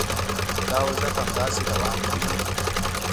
دا وضعیت همداسې دوام کوي.